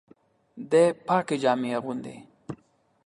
دی پاکي جامې اغوندي.